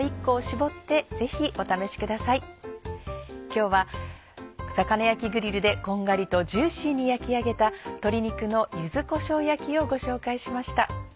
今日は魚焼きグリルでこんがりとジューシーに焼き上げた「鶏肉の柚子こしょう焼き」をご紹介しました。